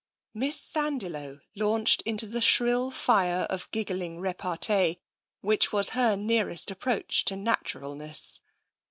Miss Sandiloe launched into the shrill fire of giggling repartee which was her nearest approach to natural ness.